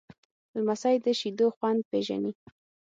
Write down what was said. لمسی د شیدو خوند پیژني.